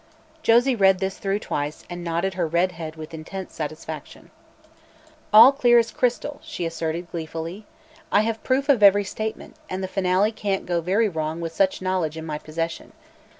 Josie read this through twice and nodded her red head with intense satisfaction. "All clear as crystal," she asserted gleefully. "I have proof of every statement, and the finale can't go very wrong with such knowledge in my possession.